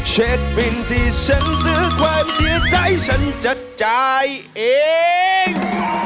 เช็คบินที่ฉันซื้อความเสียใจฉันจะจ่ายเอง